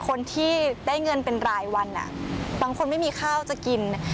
คนที่ได้เงินเป็นรายวันบางคนไม่มีข้าวจะกิน